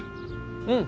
うん。